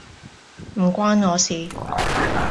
唔關我事